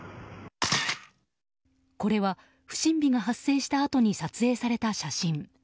これは不審火が発生したあとに撮影された写真。